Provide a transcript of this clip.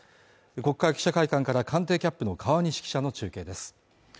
国会記者会館から官邸キャップの川西記者の中継です